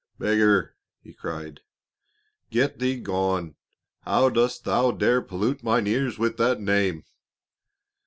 "Beggar!" he cried, "get thee gone! How dost thou dare pollute mine ears with that name?"